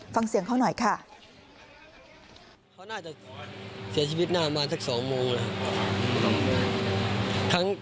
ฟังเสียงเขาหน่อยค่ะ